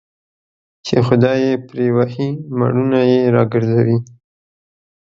چي خداى يې پري وهي مړونه يې راگرځوي